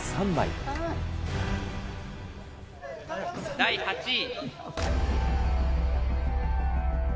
第８位。